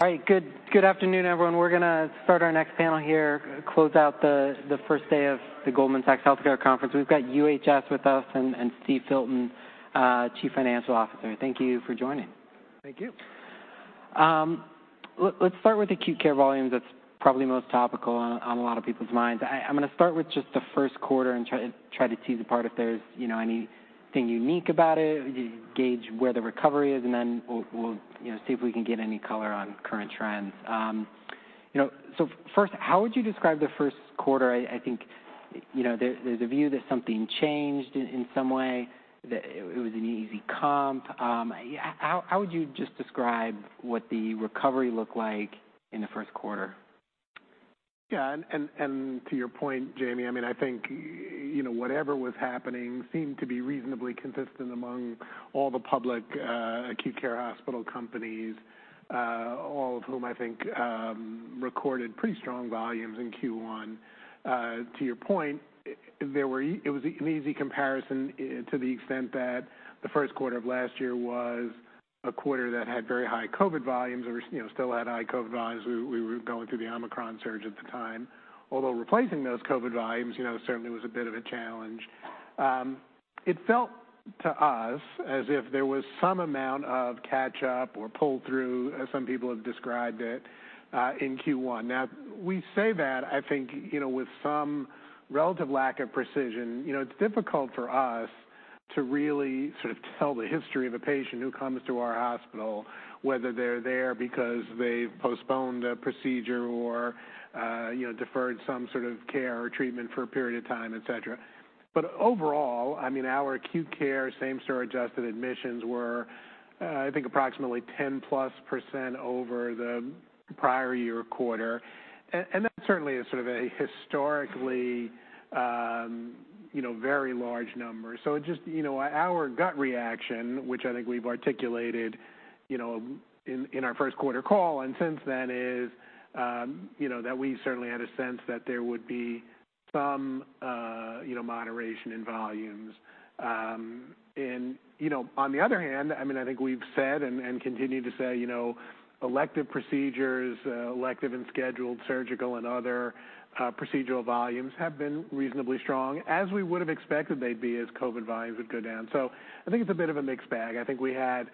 All right, good afternoon, everyone. We're gonna start our next panel here, close out the first day of the Goldman Sachs Healthcare Conference. We've got UHS with us and Steve Filton, Chief Financial Officer. Thank you for joining. Thank you. Let's start with acute care volumes. That's probably most topical on a lot of people's minds. I'm gonna start with just the first quarter and try to tease apart if there's, you know, anything unique about it, gauge where the recovery is, and then we'll, you know, see if we can get any color on current trends. You know, first, how would you describe the first quarter? I think, you know, there's a view that something changed in some way, that it was an easy comp. How would you just describe what the recovery looked like in the first quarter? Yeah, and to your point, Jamie, I mean, I think, you know, whatever was happening seemed to be reasonably consistent among all the public acute care hospital companies, all of whom I think recorded pretty strong volumes in Q1. To your point, there it was an easy comparison to the extent that the first quarter of last year was a quarter that had very high COVID volumes or, you know, still had high COVID volumes. We were going through the Omicron surge at the time, although replacing those COVID volumes, you know, certainly was a bit of a challenge. It felt to us as if there was some amount of catch-up or pull-through, as some people have described it, in Q1. We say that, I think, you know, with some relative lack of precision. You know, it's difficult for us to really sort of tell the history of a patient who comes to our hospital, whether they're there because they've postponed a procedure or, you know, deferred some sort of care or treatment for a period of time, et cetera. Overall, I mean, our acute care, same-store adjusted admissions were, I think, approximately 10%+ over the prior year quarter, and that certainly is sort of a historically, you know, very large number. Just, you know, our gut reaction, which I think we've articulated, you know, in our first quarter call and since then, is, you know, that we certainly had a sense that there would be some, you know, moderation in volumes. You know, on the other hand, I mean, I think we've said and continue to say, you know, elective procedures, elective and scheduled surgical and other procedural volumes have been reasonably strong, as we would've expected they'd be as COVID volumes would go down. I think it's a bit of a mixed bag. I think we had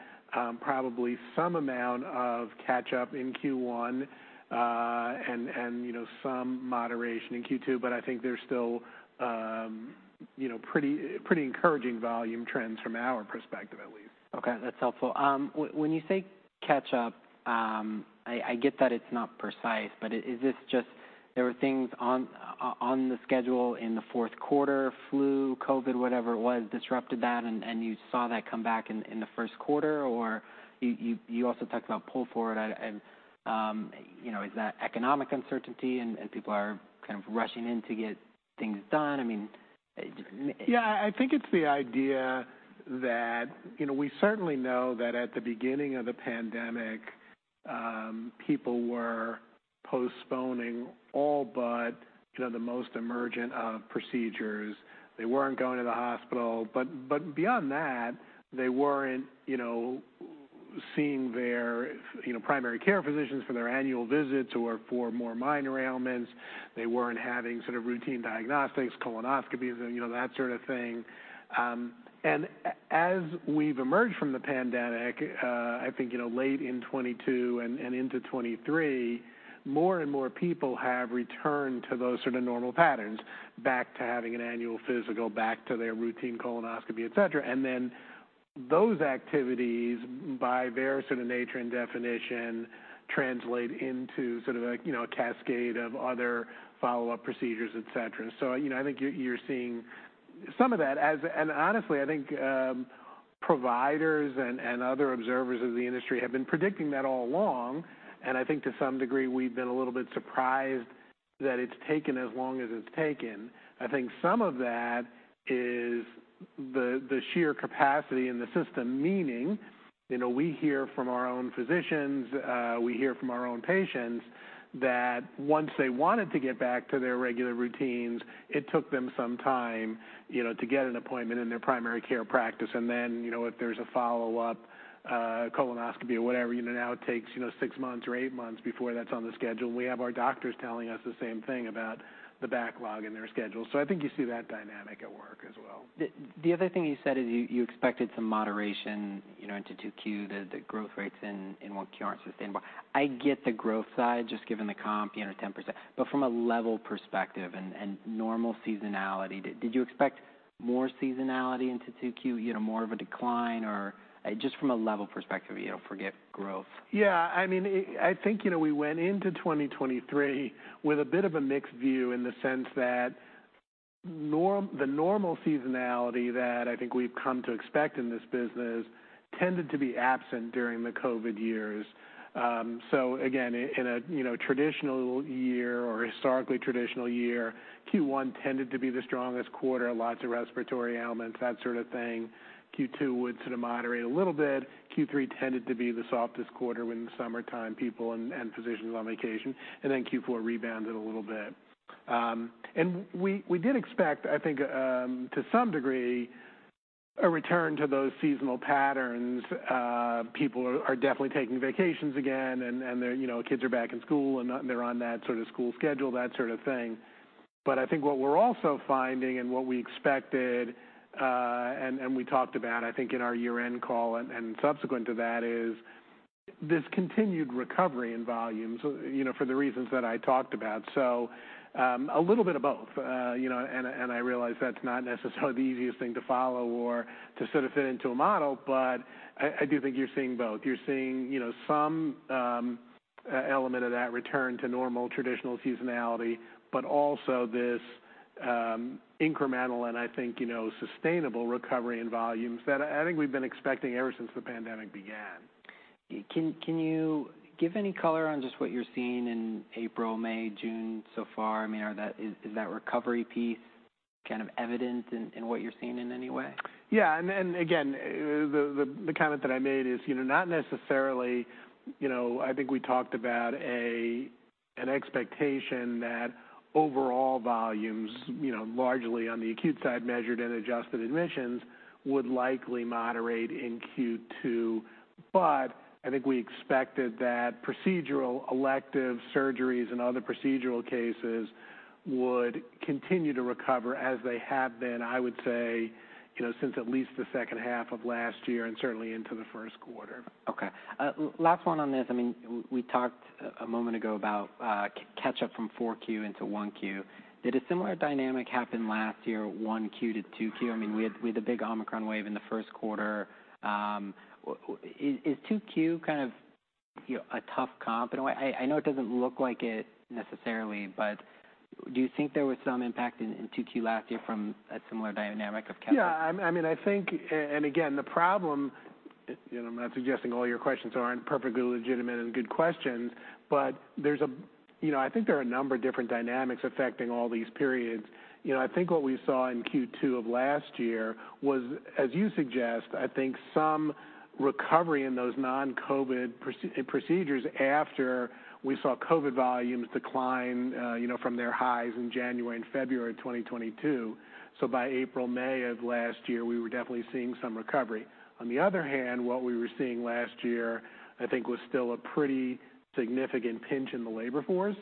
probably some amount of catch-up in Q1, and, you know, some moderation in Q2, I think there's still, you know, pretty encouraging volume trends from our perspective at least. Okay, that's helpful. When you say catch-up, I get that it's not precise, but is this just there were things on the schedule in the fourth quarter, flu, COVID, whatever it was, disrupted that, and you saw that come back in the first quarter? Or you also talked about pull forward, and, you know, is that economic uncertainty and people are kind of rushing in to get things done? I mean... Yeah, I think it's the idea that, you know, we certainly know that at the beginning of the pandemic, people were postponing all but, you know, the most emergent procedures. They weren't going to the hospital, but beyond that, they weren't, you know, seeing their, you know, primary care physicians for their annual visits or for more minor ailments. They weren't having sort of routine diagnostics, colonoscopies, you know, that sort of thing. As we've emerged from the pandemic, I think, you know, late in 2022 and into 2023, more and more people have returned to those sort of normal patterns, back to having an annual physical, back to their routine colonoscopy, et cetera. Those activities, by their sort of nature and definition, translate into sort of a, you know, a cascade of other follow-up procedures, et cetera. you know, I think you're seeing some of that. honestly, I think providers and other observers of the industry have been predicting that all along, and I think to some degree, we've been a little bit surprised that it's taken as long as it's taken. I think some of that is the sheer capacity in the system, meaning, you know, we hear from our own physicians, we hear from our own patients, that once they wanted to get back to their regular routines, it took them some time, you know, to get an appointment in their primary care practice. you know, if there's a follow-up, colonoscopy or whatever, you know, now it takes, you know, six months or eight months before that's on the schedule. We have our doctors telling us the same thing about the backlog in their schedule. I think you see that dynamic at work as well. The other thing you said is you expected some moderation, you know, into 2Q, the growth rates in 1Q aren't sustainable. I get the growth side, just given the comp, you know, 10%. From a level perspective and normal seasonality, did you expect more seasonality into 2Q? You know, more of a decline, or just from a level perspective, you know, forget growth? I mean, I think, you know, we went into 2023 with a bit of a mixed view in the sense that the normal seasonality that I think we've come to expect in this business tended to be absent during the COVID years. Again, in a, you know, traditional year or historically traditional year, Q1 tended to be the strongest quarter, lots of respiratory ailments, that sort of thing. Q2 would sort of moderate a little bit. Q3 tended to be the softest quarter when in the summertime, people and physicians are on vacation, and then Q4 rebounded a little bit. We did expect, I think, to some degree a return to those seasonal patterns. People are definitely taking vacations again, and, you know, kids are back in school, and they're on that sort of school schedule, that sort of thing. I think what we're also finding and what we expected, and we talked about, I think in our year-end call and subsequent to that, is this continued recovery in volumes, you know, for the reasons that I talked about. A little bit of both, you know, and I, and I realize that's not necessarily the easiest thing to follow or to sort of fit into a model, but I do think you're seeing both. You're seeing, you know, some element of that return to normal, traditional seasonality, but also this incremental and I think, you know, sustainable recovery in volumes that I think we've been expecting ever since the pandemic began. Can you give any color on just what you're seeing in April, May, June so far? I mean, is that recovery piece kind of evident in what you're seeing in any way? You know, I think we talked about an expectation that overall volumes, you know, largely on the acute side, measured and adjusted admissions, would likely moderate in Q2. I think we expected that procedural, elective surgeries and other procedural cases would continue to recover, as they have been, I would say, you know, since at least the second half of last year and certainly into the first quarter. Okay. Last one on this. I mean, we talked a moment ago about catch-up from 4Q into 1Q. Did a similar dynamic happen last year, 1Q-2Q? I mean, we had the big Omicron wave in the first quarter. Is 2Q kind of, you know, a tough comp in a way? I know it doesn't look like it necessarily, but do you think there was some impact in 2Q last year from a similar dynamic of catch-up? Yeah, I mean, I think. Again, the problem, and I'm not suggesting all your questions aren't perfectly legitimate and good questions, but you know, I think there are a number of different dynamics affecting all these periods. You know, I think what we saw in Q2 of last year was, as you suggest, I think, some recovery in those non-COVID procedures after we saw COVID volumes decline, you know, from their highs in January and February 2022. By April, May of last year, we were definitely seeing some recovery. On the other hand, what we were seeing last year, I think, was still a pretty significant pinch in the labor force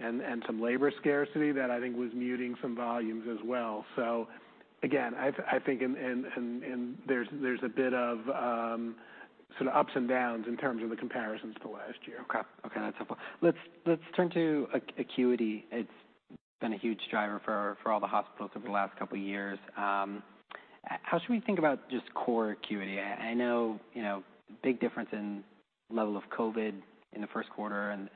and some labor scarcity that I think was muting some volumes as well. I think, and there's a bit of sort of ups and downs in terms of the comparisons to last year. Okay. Okay, that's helpful. Let's turn to acuity. It's been a huge driver for all the hospitals over the last couple of years. How should we think about just core acuity? I know, you know, big difference in level of COVID in the first quarter and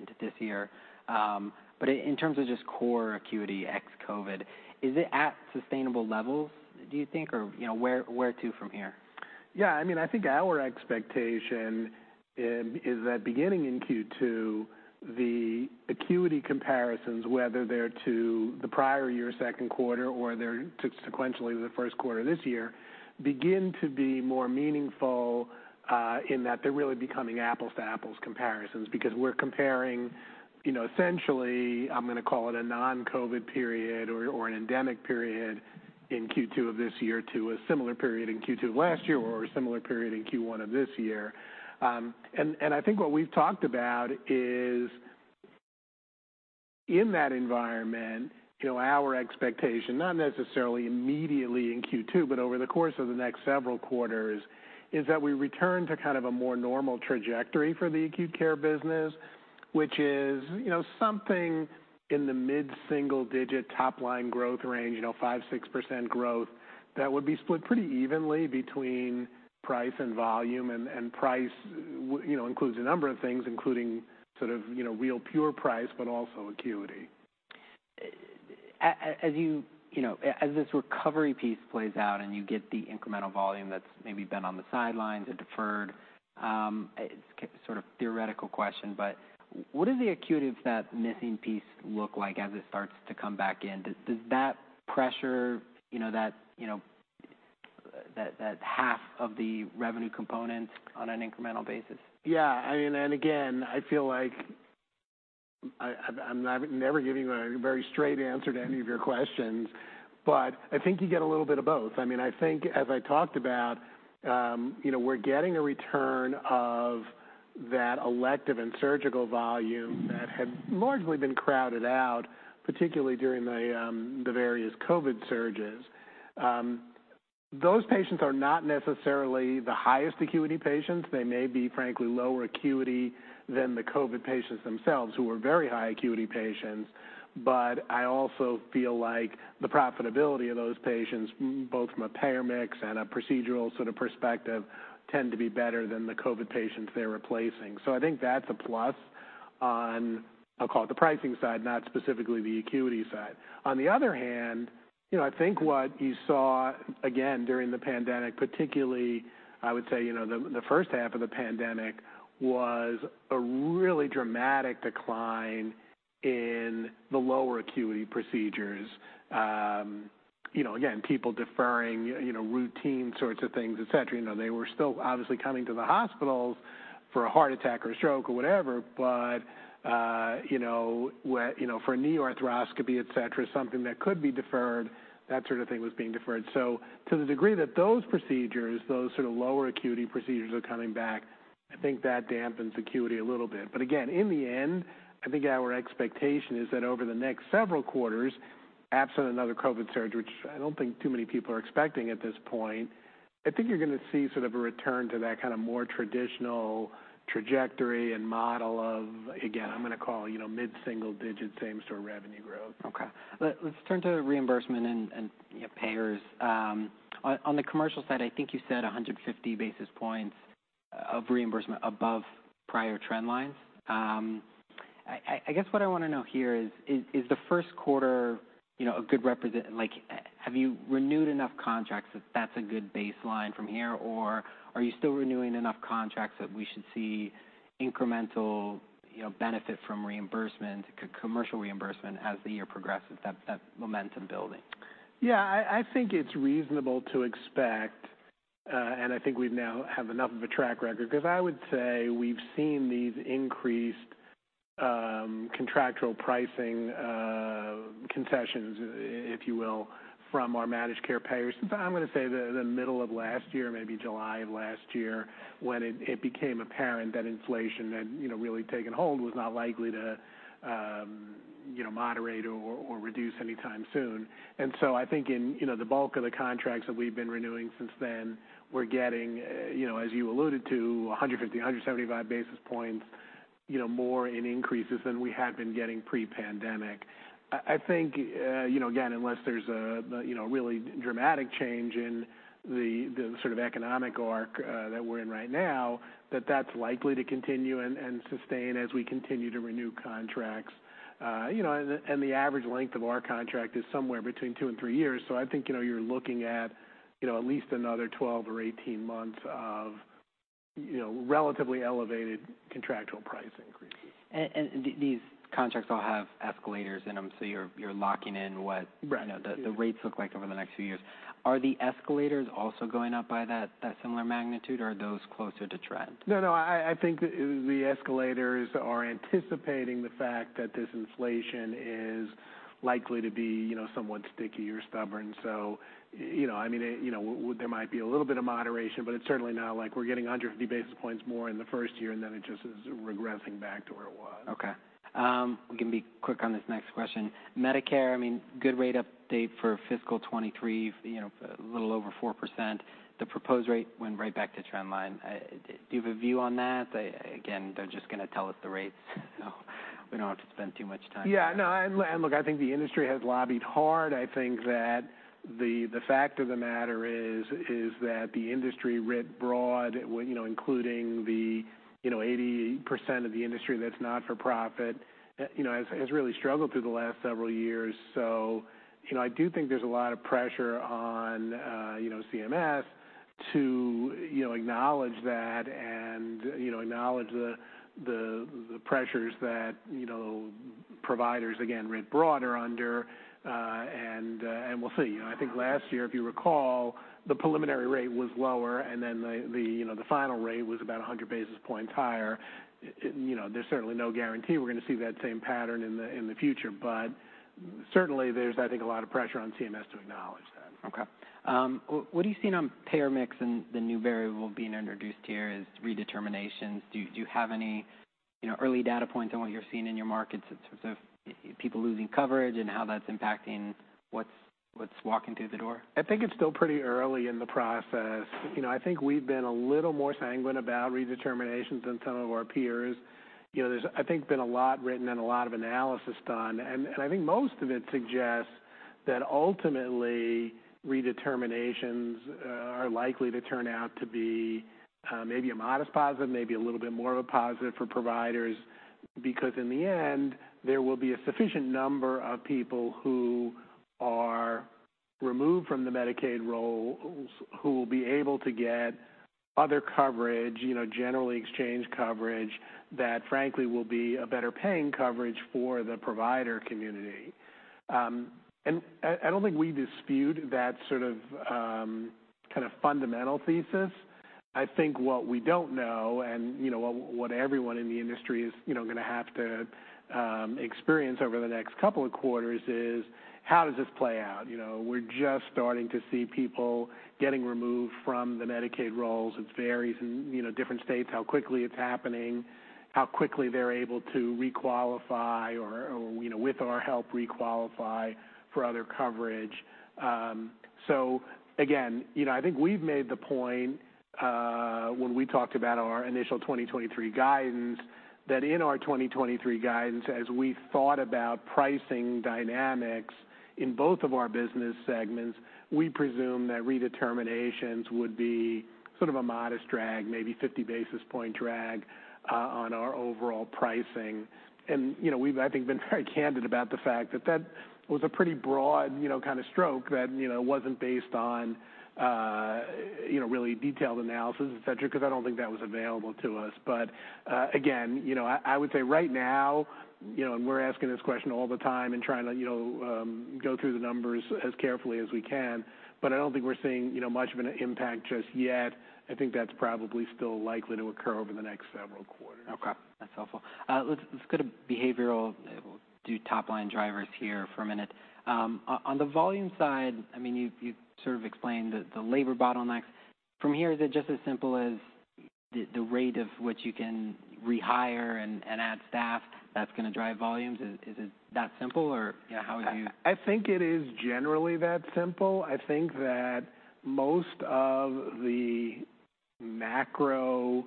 into this year, but in terms of just core acuity, ex-COVID, is it at sustainable levels, do you think, or, you know, where to from here? Yeah, I mean, I think our expectation is that beginning in Q2, the acuity comparisons, whether they're to the prior year, second quarter, or they're sequentially to the first quarter of this year, begin to be more meaningful, in that they're really becoming apples to apples comparisons. We're comparing, you know, essentially, I'm going to call it a non-COVID period or an endemic period in Q2 of this year to a similar period in Q2 of last year or a similar period in Q1 of this year. I think what we've talked about is, in that environment, you know, our expectation, not necessarily immediately in Q2, but over the course of the next several quarters, is that we return to kind of a more normal trajectory for the acute care business, which is, you know, something in the mid-single digit, top-line growth range, you know, 5%, 6% growth that would be split pretty evenly between price and volume. Price, you know, includes a number of things, including sort of, you know, real pure price, but also acuity. As you know, as this recovery piece plays out and you get the incremental volume that's maybe been on the sidelines or deferred, it's sort of a theoretical question, but what does the acuity of that missing piece look like as it starts to come back in? Does that pressure, you know, that, you know, that half of the revenue component on an incremental basis? I mean, again, I feel like I'm never giving a very straight answer to any of your questions, but I think you get a little bit of both. I mean, I think, as I talked about, you know, we're getting a return of that elective and surgical volume that had largely been crowded out, particularly during the various COVID surges. Those patients are not necessarily the highest acuity patients. They may be, frankly, lower acuity than the COVID patients themselves, who were very high acuity patients. I also feel like the profitability of those patients, both from a payer mix and a procedural sort of perspective, tend to be better than the COVID patients they're replacing. I think that's a plus on, I'll call it, the pricing side, not specifically the acuity side. On the other hand, you know, I think what you saw, again, during the pandemic, particularly, I would say, you know, the first half of the pandemic, was a really dramatic decline in the lower acuity procedures. You know, again, people deferring, you know, routine sorts of things, et cetera. You know, they were still obviously coming to the hospitals for a heart attack or a stroke or whatever, but, you know, where, you know, for a knee or arthroscopy, et cetera, something that could be deferred, that sort of thing was being deferred. To the degree that those procedures, those sort of lower acuity procedures, are coming back, I think that dampens acuity a little bit. Again, in the end, I think our expectation is that over the next several quarters, absent another COVID surge, which I don't think too many people are expecting at this point, I think you're going to see sort of a return to that kind of more traditional trajectory and model of, again, I'm going to call, you know, mid-single digit same-store revenue growth. Okay, let's turn to reimbursement and payers. On the commercial side, I think you said 150 basis points of reimbursement above prior trend lines. I guess what I want to know here is the first quarter, you know, Like, have you renewed enough contracts that that's a good baseline from here, or are you still renewing enough contracts that we should see incremental, you know, benefit from reimbursement, commercial reimbursement, as the year progresses, that momentum building? Yeah, I think it's reasonable to expect, and I think we now have enough of a track record, because I would say we've seen these increased contractual pricing concessions, if you will, from our managed care payers. I'm going to say the middle of last year, maybe July of last year, when it became apparent that inflation had, you know, really taken hold, was not likely to, you know, moderate or reduce anytime soon. I think in, you know, the bulk of the contracts that we've been renewing since then, we're getting, you know, as you alluded to, 150-175 basis points, you know, more in increases than we had been getting pre-pandemic. I think, you know, again, unless there's a you know, really dramatic change in the sort of economic arc that we're in right now, that's likely to continue and sustain as we continue to renew contracts. You know, and the average length of our contract is somewhere between two and three years. I think, you know, you're looking at, you know, at least another 12 or 18 months of, you know, relatively elevated contractual price increases. These contracts all have escalators in them, so you're locking in. Right. the rates look like over the next few years. Are the escalators also going up by that similar magnitude, or are those closer to trend? No, I think the escalators are anticipating the fact that this inflation is likely to be, you know, somewhat sticky or stubborn. You know, I mean, you know, there might be a little bit of moderation, but it's certainly not like we're getting 150 basis points more in the first year, and then it just is regressing back to where it was. Okay. We can be quick on this next question. Medicare, I mean, good rate update for fiscal 2023, you know, a little over 4%. The proposed rate went right back to trend line. Do you have a view on that? They're just going to tell us the rates, so we don't have to spend too much time. Yeah, no, and look, I think the industry has lobbied hard. I think that the fact of the matter is that the industry writ broad, you know, including the, you know, 80% of the industry that's not-for-profit, you know, has really struggled through the last several years. You know, I do think there's a lot of pressure on, you know, CMS to, you know, acknowledge that and, you know, acknowledge the pressures that, you know, providers, again, writ broad, are under, and we'll see. You know, I think last year, if you recall, the preliminary rate was lower, and then the, you know, the final rate was about 100 basis points higher. You know, there's certainly no guarantee we're going to see that same pattern in the, in the future, but certainly there's, I think, a lot of pressure on CMS to acknowledge that. Okay. What are you seeing on payer mix and the new variable being introduced here is redeterminations. Do you have any, you know, early data points on what you're seeing in your markets in terms of people losing coverage and how that's impacting what's walking through the door? I think it's still pretty early in the process. You know, I think we've been a little more sanguine about redeterminations than some of our peers. You know, there's, I think, been a lot written and a lot of analysis done, and I think most of it suggests that ultimately, redeterminations are likely to turn out to be maybe a modest positive, maybe a little bit more of a positive for providers, because in the end, there will be a sufficient number of people who are removed from the Medicaid roles, who will be able to get other coverage, you know, generally exchange coverage, that frankly, will be a better paying coverage for the provider community. I don't think we dispute that sort of kind of fundamental thesis. I think what we don't know, you know, what everyone in the industry is, you know, gonna have to experience over the next couple of quarters is: How does this play out? You know, we're just starting to see people getting removed from the Medicaid roles. It varies in, you know, different states, how quickly it's happening, how quickly they're able to re-qualify or, you know, with our help, re-qualify for other coverage. Again, you know, I think we've made the point when we talked about our initial 2023 guidance, that in our 2023 guidance, as we thought about pricing dynamics in both of our business segments, we presumed that redeterminations would be sort of a modest drag, maybe 50 basis point drag on our overall pricing. You know, we've, I think, been very candid about the fact that that was a pretty broad, you know, kind of stroke that, you know, wasn't based on, you know, really detailed analysis, et cetera, because I don't think that was available to us. Again, you know, I would say right now, you know, and we're asking this question all the time and trying to, you know, go through the numbers as carefully as we can, but I don't think we're seeing, you know, much of an impact just yet. I think that's probably still likely to occur over the next several quarters. Okay, that's helpful. let's go to behavioral, do top-line drivers here for a minute. on the volume side, I mean, you sort of explained the labor bottlenecks. From here, is it just as simple as the rate at which you can rehire and add staff that's gonna drive volumes? Is it that simple, or, you know, how would you? I think it is generally that simple. I think that most of the macro,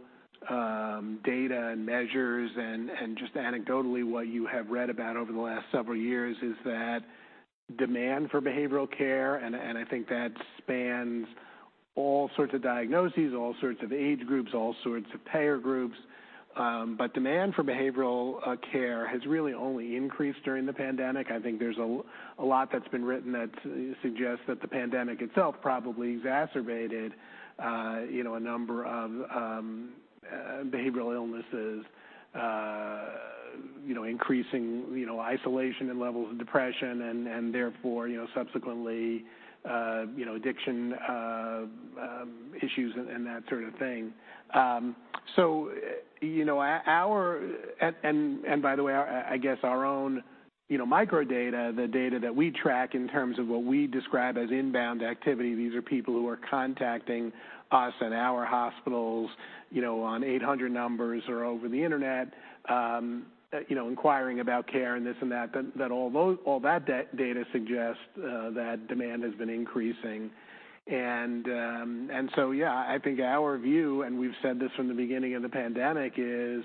data and measures and just anecdotally, what you have read about over the last several years is that demand for behavioral care, and I think that spans all sorts of diagnoses, all sorts of age groups, all sorts of payer groups, but demand for behavioral care has really only increased during the pandemic. I think there's a lot that's been written that suggests that the pandemic itself probably exacerbated, you know, a number of, behavioral illnesses, you know, increasing, you know, isolation and levels of depression and therefore, you know, subsequently, you know, addiction, issues and that sort of thing. you know, our... By the way, I guess our own, you know, microdata, the data that we track in terms of what we describe as inbound activity, these are people who are contacting us and our hospitals, you know, on 800 numbers or over the internet, you know, inquiring about care and this and that. All those, all that data suggests that demand has been increasing. Yeah, I think our view, and we've said this from the beginning of the pandemic, is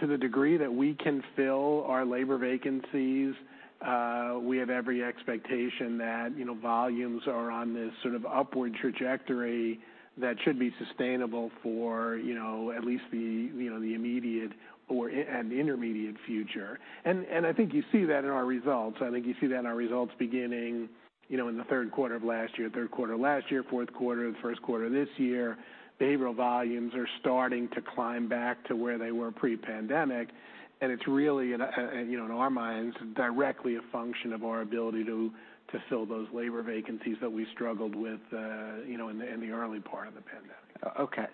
to the degree that we can fill our labor vacancies, we have every expectation that, you know, volumes are on this sort of upward trajectory that should be sustainable for, you know, at least the, you know, the immediate or in and intermediate future. I think you see that in our results. I think you see that in our results beginning, you know, in the third quarter of last year, fourth quarter, and first quarter this year, behavioral volumes are starting to climb back to where they were pre-pandemic, and it's really, and, you know, in our minds, directly a function of our ability to fill those labor vacancies that we struggled with, you know, in the early part of the pandemic. Okay,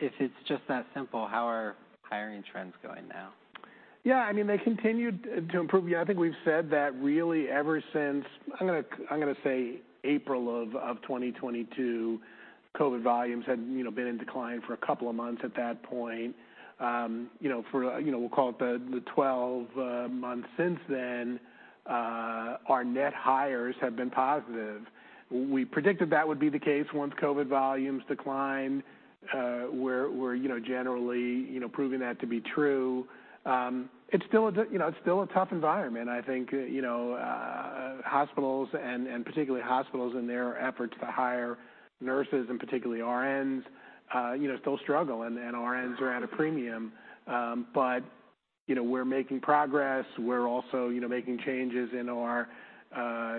if it's just that simple, how are hiring trends going now? I mean, they continued to improve. I think we've said that really ever since... I'm gonna say April of 2022, COVID volumes had, you know, been in decline for a couple of months at that point. You know, for, you know, we'll call it the 12 months since then, our net hires have been positive. We predicted that would be the case once COVID volumes declined. We're, you know, generally, you know, proving that to be true. It's still a tough environment. I think, you know, hospitals, and particularly hospitals and their efforts to hire nurses, and particularly RNs, you know, still struggle, and RNs are at a premium, you know, we're making progress. We're also, you know, making changes in our,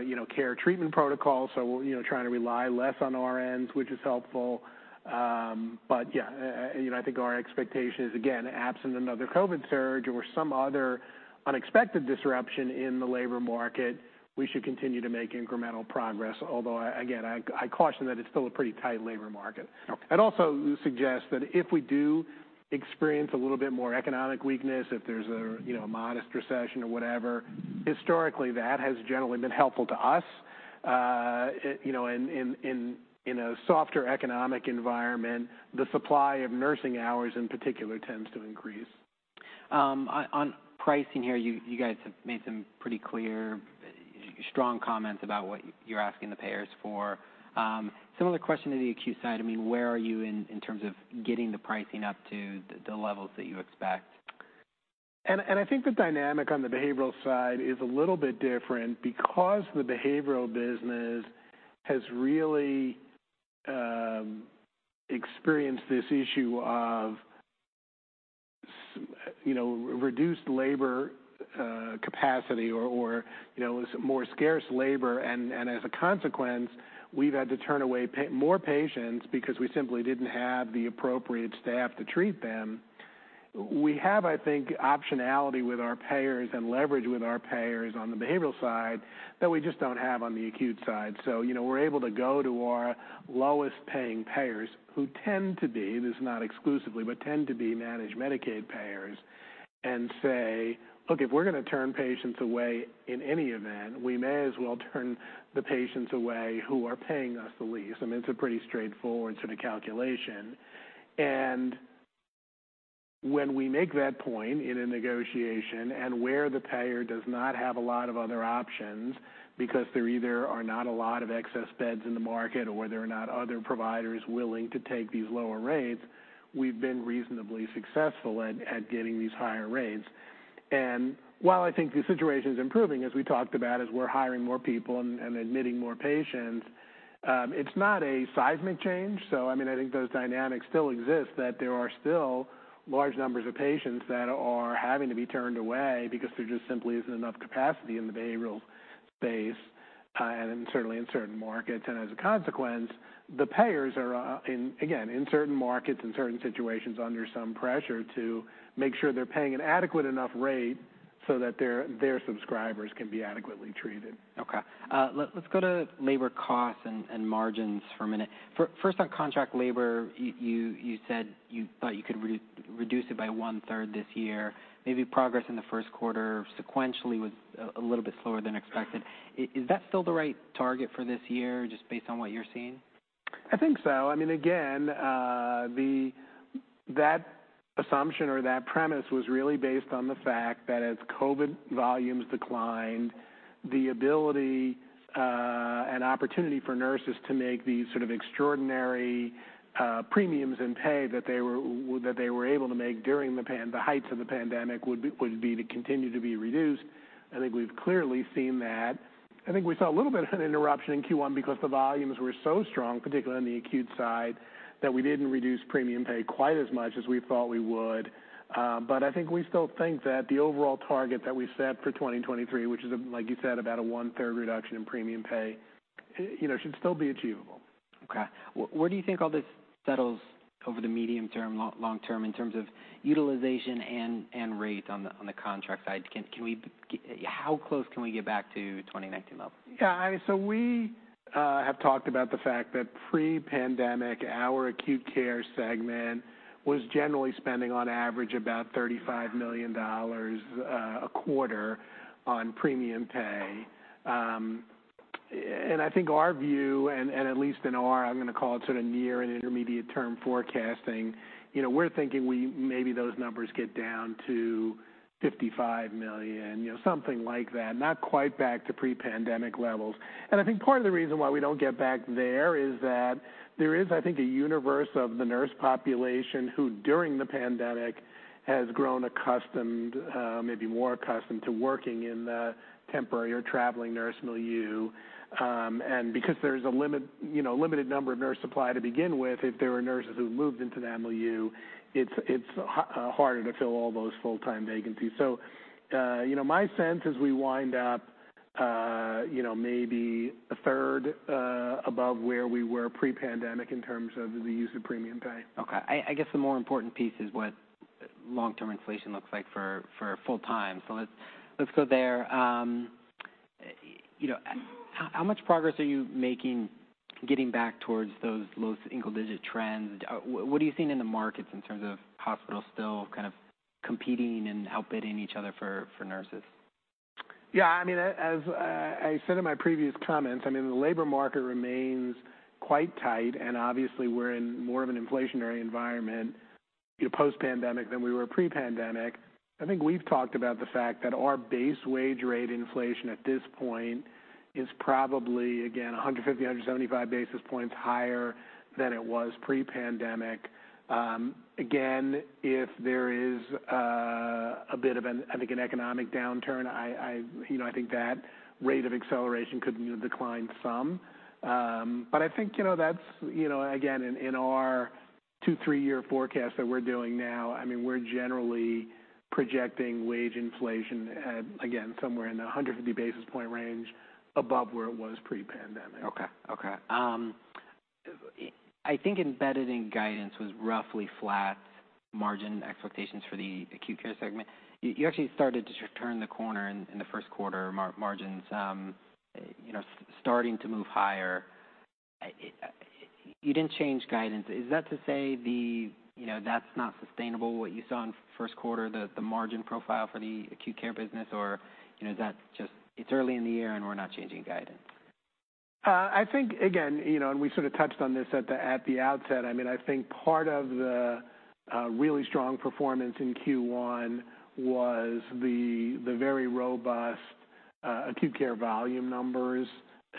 you know, care treatment protocols, so, you know, trying to rely less on RNs, which is helpful. Yeah, you know, I think our expectation is, again, absent another COVID surge or some other unexpected disruption in the labor market, we should continue to make incremental progress. Again, I caution that it's still a pretty tight labor market. Okay. I'd also suggest that if we do experience a little bit more economic weakness, if there's a, you know, a modest recession or whatever, historically, that has generally been helpful to us. You know, in a softer economic environment, the supply of nursing hours, in particular, tends to increase. On pricing here, you guys have made some pretty clear, strong comments about what you're asking the payers for. Similar question to the acute side, I mean, where are you in terms of getting the pricing up to the levels that you expect? I think the dynamic on the behavioral side is a little bit different because the behavioral business has really experienced this issue of, you know, reduced labor, capacity or, you know, more scarce labor, and as a consequence, we've had to turn away more patients because we simply didn't have the appropriate staff to treat them. We have, I think, optionality with our payers and leverage with our payers on the behavioral side that we just don't have on the acute side. You know, we're able to go to our lowest-paying payers, who tend to be, this is not exclusively, but tend to be Managed Medicaid payers, and say, "Look, if we're gonna turn patients away in any event, we may as well turn the patients away who are paying us the least." I mean, it's a pretty straightforward sort of calculation. When we make that point in a negotiation and where the payer does not have a lot of other options because there either are not a lot of excess beds in the market or there are not other providers willing to take these lower rates, we've been reasonably successful at getting these higher rates. While I think the situation is improving, as we talked about, as we're hiring more people and admitting more patients, it's not a seismic change. I mean, I think those dynamics still exist, that there are still large numbers of patients that are having to be turned away because there just simply isn't enough capacity in the behavioral space. Certainly in certain markets, as a consequence, the payers are, in, again, in certain markets, in certain situations, under some pressure to make sure they're paying an adequate enough rate so that their subscribers can be adequately treated. Okay, let's go to labor costs and margins for a minute. First, on contract labor, you said you thought you could reduce it by 1/3 this year. Maybe progress in the first quarter sequentially was a little bit slower than expected. Is that still the right target for this year, just based on what you're seeing? I think so. I mean, again, that assumption or that premise was really based on the fact that as COVID volumes declined, the ability and opportunity for nurses to make these sort of extraordinary premiums and pay that they were able to make during the heights of the pandemic would be to continue to be reduced. I think we've clearly seen that. I think we saw a little bit of an interruption in Q1 because the volumes were so strong, particularly on the acute side, that we didn't reduce premium pay quite as much as we thought we would. I think we still think that the overall target that we set for 2023, which is, like you said, about a one-third reduction in premium pay, you know, should still be achievable. Okay. Where do you think all this settles over the medium term, long, long term, in terms of utilization and rate on the, on the contract side? Can we, how close can we get back to 2019 levels? We have talked about the fact that pre-pandemic, our acute care segment was generally spending on average, about $35 million a quarter on premium pay. I think our view, and at least in our, I'm going to call it sort of near and intermediate term forecasting, you know, we're thinking we maybe those numbers get down to $55 million, you know, something like that. Not quite back to pre-pandemic levels. I think part of the reason why we don't get back there is that there is, I think, a universe of the nurse population who, during the pandemic, has grown accustomed, maybe more accustomed to working in the temporary or traveling nurse milieu. Because there's a limit, you know, a limited number of nurse supply to begin with, if there are nurses who moved into that milieu, it's harder to fill all those full-time vacancies. You know, my sense is we wind up, you know, maybe a third above where we were pre-pandemic in terms of the use of premium pay. Okay, I guess the more important piece is what long-term inflation looks like for full-time. Let's go there. You know, how much progress are you making getting back towards those low single-digit trends? What are you seeing in the markets in terms of hospitals still kind of competing and outbidding each other for nurses? Yeah, I mean, as I said in my previous comments, I mean, the labor market remains quite tight, obviously, we're in more of an inflationary environment post-pandemic than we were pre-pandemic. I think we've talked about the fact that our base wage rate inflation at this point is probably, again, 150-175 basis points higher than it was pre-pandemic. Again, if there is, I think, an economic downturn, I, you know, I think that rate of acceleration could decline some. I think, you know, that's, you know, again, in our two, three-year forecast that we're doing now, I mean, we're generally projecting wage inflation at, again, somewhere in the 150 basis point range above where it was pre-pandemic. Okay. Okay, I think embedded in guidance was roughly flat margin expectations for the acute care segment. You actually started to turn the corner in the first quarter, margins, you know, starting to move higher. You didn't change guidance. Is that to say the, you know, that's not sustainable, what you saw in first quarter, the margin profile for the acute care business? Or, you know, that's just, it's early in the year, and we're not changing guidance? I think, again, you know, we sort of touched on this at the, at the outset, I mean, I think part of the really strong performance in Q1 was the very robust acute care volume numbers.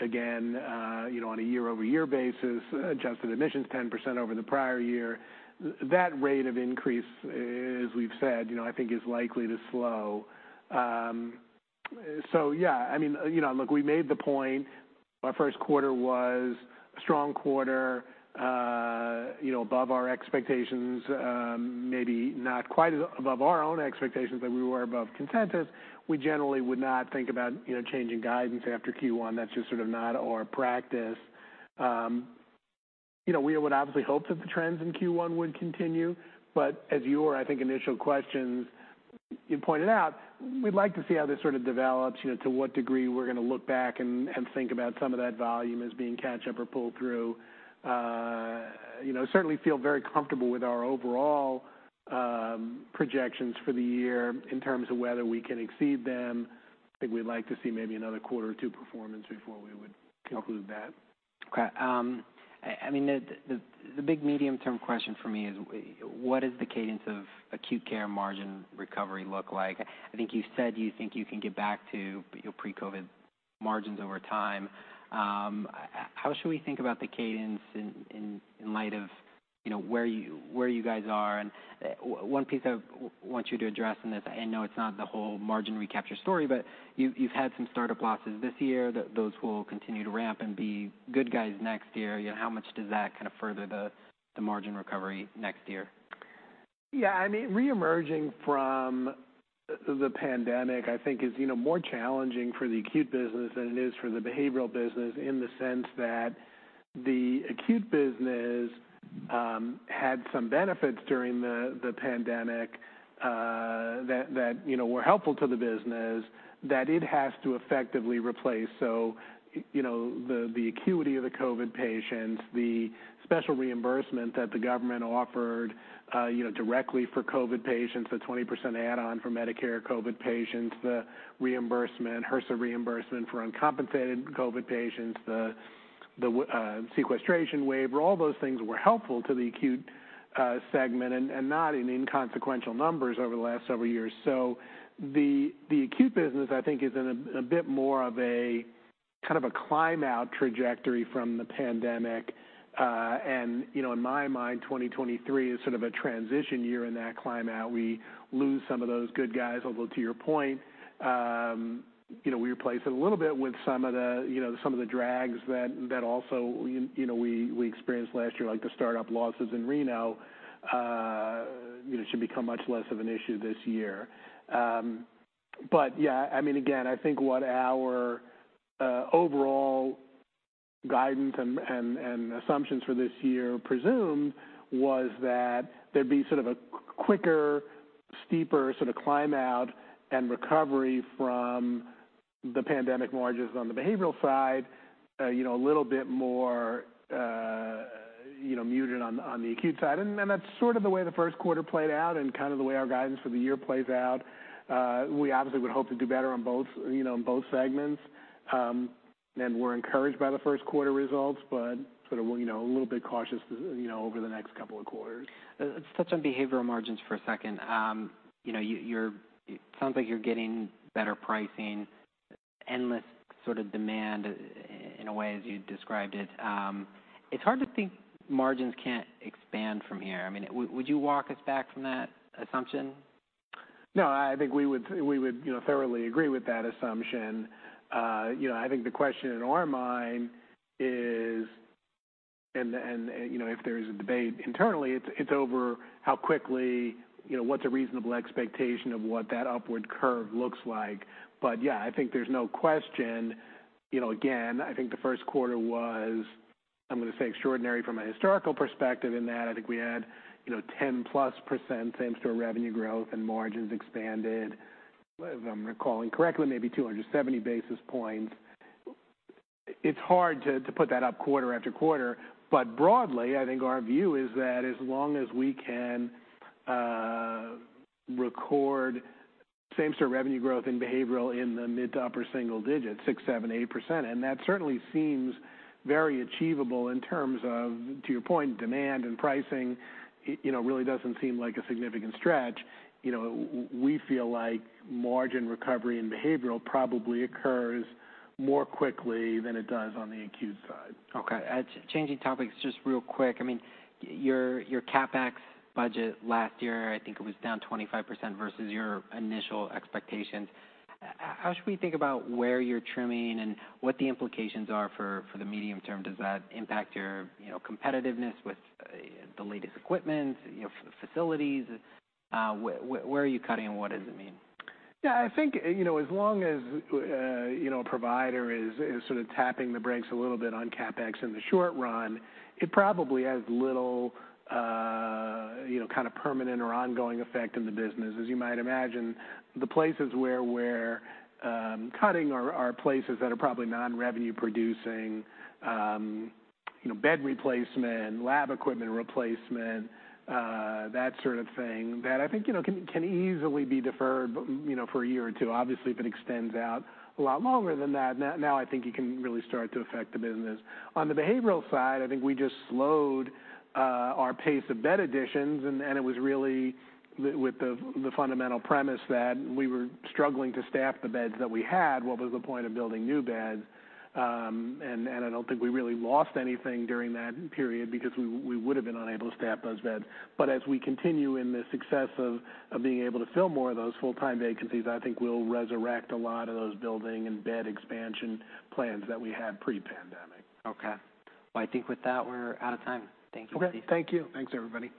Again, you know, on a year-over-year basis, adjusted admissions 10% over the prior year. That rate of increase, as we've said, you know, I think is likely to slow. Yeah, I mean, you know, look, we made the point. Our first quarter was a strong quarter, you know, above our expectations. Maybe not quite above our own expectations, but we were above consensus. We generally would not think about, you know, changing guidance after Q1. That's just sort of not our practice. You know, we would obviously hope that the trends in Q1 would continue. As your, I think, initial questions, you pointed out, we'd like to see how this sort of develops, you know, to what degree we're going to look back and think about some of that volume as being catch-up or pull through. You know, certainly feel very comfortable with our overall projections for the year in terms of whether we can exceed them. I think we'd like to see maybe another quarter or two performance before we would conclude that. Okay. I mean, the big medium-term question for me is: What is the cadence of acute care margin recovery look like? I think you said you think you can get back to your pre-COVID margins over time. How should we think about the cadence in light of, you know, where you guys are? One piece I want you to address in this, I know it's not the whole margin recapture story, but you've had some startup losses this year. Those will continue to ramp and be good guys next year. How much does that kind of further the margin recovery next year? Yeah, I mean, reemerging from the pandemic, I think, is, you know, more challenging for the acute business than it is for the behavioral business, in the sense that the acute business had some benefits during the pandemic that, you know, were helpful to the business, that it has to effectively replace. You know, the acuity of the COVID patients, the special reimbursement that the government offered, you know, directly for COVID patients, the 20% add-on for Medicare COVID patients, the reimbursement, HRSA reimbursement for uncompensated COVID patients, the sequestration waiver, all those things were helpful to the acute segment and not in inconsequential numbers over the last several years. The acute business, I think, is in a bit more of a, kind of a climb-out trajectory from the pandemic. You know, in my mind, 2023 is sort of a transition year in that climb-out. We lose some of those good guys, although, to your point, you know, we replace it a little bit with some of the, you know, some of the drags that also, you know, we experienced last year, like the startup losses in Reno, you know, should become much less of an issue this year. Yeah, I mean, again, I think what our overall guidance and, and assumptions for this year presumed was that there'd be sort of a quicker, steeper sort of climb out and recovery from the pandemic margins on the behavioral side, you know, a little bit more, you know, muted on the acute side. That's sort of the way the first quarter played out and kind of the way our guidance for the year plays out. We obviously would hope to do better on both, you know, in both segments. We're encouraged by the first quarter results, but sort of, you know, a little bit cautious, you know, over the next couple of quarters. Let's touch on behavioral margins for a second. you know, it sounds like you're getting better pricing, endless sort of demand in a way, as you described it. It's hard to think margins can't expand from here. I mean, would you walk us back from that assumption? No, I think we would, you know, thoroughly agree with that assumption. You know, I think the question in our mind is, and, you know, if there's a debate internally, it's over how quickly, you know, what's a reasonable expectation of what that upward curve looks like. Yeah, I think there's no question. You know, again, I think the first quarter was, I'm going to say, extraordinary from a historical perspective, in that I think we had, you know, 10%+ same-store revenue growth and margins expanded, if I'm recalling correctly, maybe 270 basis points. It's hard to put that up quarter after quarter. Broadly, I think our view is that as long as we can record same-store revenue growth in behavioral in the mid- to upper-single digits, 6%, 7%, 8%, and that certainly seems very achievable in terms of, to your point, demand and pricing, you know, really doesn't seem like a significant stretch. You know, we feel like margin recovery and behavioral probably occurs more quickly than it does on the acute side. Okay, changing topics just real quick. I mean, your CapEx budget last year, I think it was down 25% versus your initial expectations. How should we think about where you're trimming and what the implications are for the medium term? Does that impact your, you know, competitiveness with, the latest equipment, you know, facilities? Where are you cutting and what does it mean? Yeah, I think, you know, as long as, you know, a provider is sort of tapping the brakes a little bit on CapEx in the short run, it probably has little, you know, kind of permanent or ongoing effect in the business. As you might imagine, the places where we're cutting are places that are probably non-revenue producing, you know, bed replacement, lab equipment replacement, that sort of thing, that I think, you know, can easily be deferred, you know, for a year or two. Obviously, if it extends out a lot longer than that, now I think it can really start to affect the business. On the behavioral side, I think we just slowed our pace of bed additions, and it was really with the fundamental premise that we were struggling to staff the beds that we had. What was the point of building new beds? I don't think we really lost anything during that period because we would've been unable to staff those beds. As we continue in the success of being able to fill more of those full-time vacancies, I think we'll resurrect a lot of those building and bed expansion plans that we had pre-pandemic. Okay. Well, I think with that, we're out of time. Thank you. Okay. Thank you. Thanks, everybody.